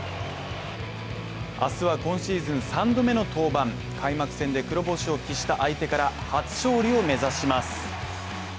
明日は今シーズン３度目の登板開幕戦で黒星を喫した相手から初勝利を目指します。